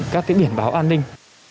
các biển báo an ninh